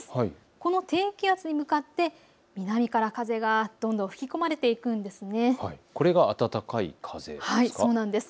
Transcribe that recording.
この低気圧に向かって南から風がどんどん吹き込まれていくんです。